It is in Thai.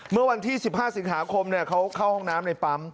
เมื่อวันที่๑๕สิงหาคมเขาเข้าห้องน้ำในปั๊ม